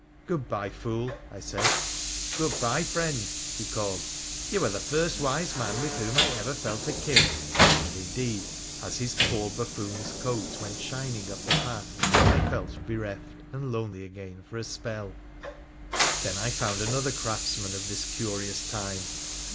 ' Good bye, fool !' I said. ' Good bye, friend !' he called. ' You are the first wise man with whom I ever felt akin '; and indeed, as his poor buffoon's coat went shining up the path, I felt bereft and lonely again for a spell. Then I found another craftsman of this curious time.